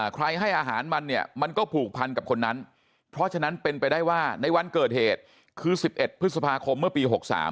ให้อาหารมันเนี่ยมันก็ผูกพันกับคนนั้นเพราะฉะนั้นเป็นไปได้ว่าในวันเกิดเหตุคือ๑๑พฤษภาคมเมื่อปี๖๓